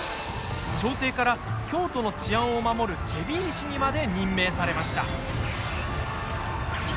朝廷から、京都の治安を守る検非違使にまで任命されました。